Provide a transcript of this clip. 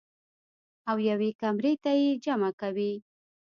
او يوې کمرې ته ئې جمع کوي -